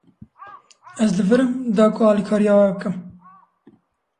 Ez li vir im, da ku alîkariya we bikim.